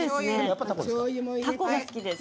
タコが好きです。